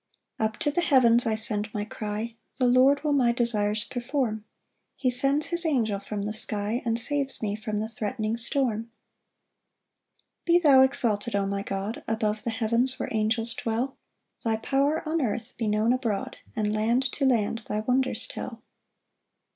2 Up to the heavens I send my cry, The Lord will my desires perform; He sends his angel from the sky, And saves me from the threatening storm. 3 Be thou exalted, O my God, Above the heavens where angels dwell: Thy power on earth be known abroad, And land to land thy wonders tell.